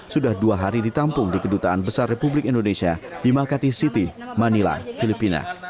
sudah dua hari ditampung di kedutaan besar republik indonesia di makati city manila filipina